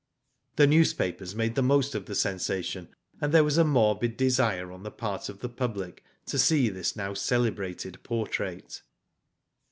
The newspapers made the most of the sensa tion, and there was a morbid desire on the part of the public to see this now celebrated portrait.